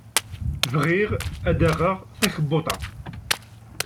Bɣiɣ ad d-aɣaɣ takebbuḍt-a.